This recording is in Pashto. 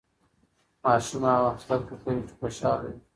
ماشوم هغه وخت زده کړه کوي چې خوشاله وي.